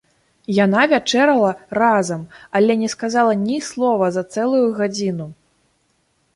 Яна вячэрала разам, але не сказала ні слова за цэлую гадзіну.